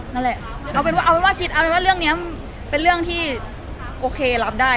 นั่นแหละเอาเป็นว่าเอาเป็นว่าคิดเอาเป็นว่าเรื่องนี้เป็นเรื่องที่โอเครับได้